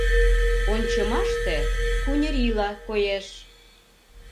Ончымаште куньырийла коеш.